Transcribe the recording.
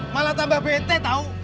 malah tambah bete tau